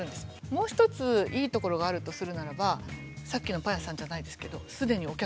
もう一ついいところがあるとするならばさっきのパン屋さんじゃないですけどすでにお客さんがいる。